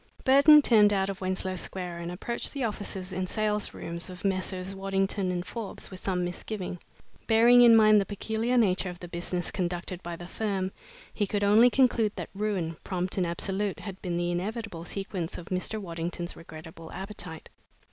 Burton turned out of Wenslow Square and approached the offices and salesrooms of Messrs. Waddington & Forbes with some misgiving. Bearing in mind the peculiar nature of the business conducted by the firm, he could only conclude that ruin, prompt and absolute, had been the inevitable sequence of Mr. Waddington's regrettable appetite.